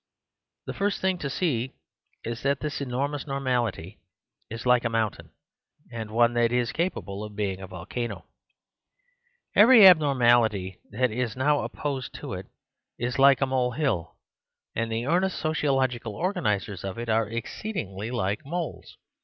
The first thing to see is that this enormous normality is like a mountain ; and one that is capable of being a volcano. Every abnor mality that is now opposed to it is like a mole hill; and the earnest sociological organisers of it are exceedingly like moles.